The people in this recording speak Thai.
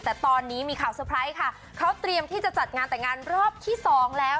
แต่ตอนนี้มีข่าวเตอร์ไพรส์ค่ะเขาเตรียมที่จะจัดงานแต่งงานรอบที่สองแล้ว